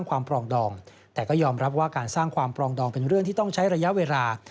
ว่าการสร้างความปลองดองเป็นเรื่องที่ต้องใช้ระยะเวลา